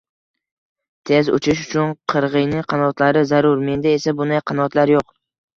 Tez uchish uchun qirg‘iyning qanotlari zarur, menda esa, bunday qanotlar yo‘q.